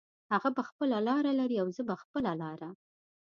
هغه به خپله لار لري او زه به خپله لاره